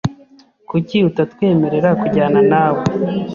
Kuki utatwemerera kujyana nawe?